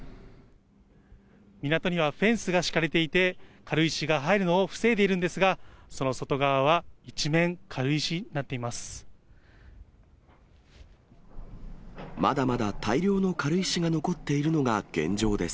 港にはフェンスが敷かれていて、軽石が入るのを防いでいるんですが、その外側は、一面、軽石になっています。